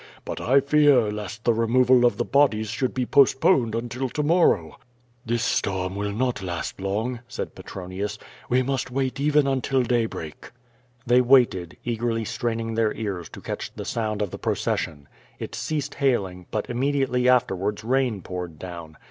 But I fear lest the removal of the bodies should be postponed until to morrow." "This storm will not last long," said Petronius;" we must wait even until daybreak." They waited, eagerly straining their ears to catch the sound of the procession. It ceased hailing, but immediately after wards rain poured down.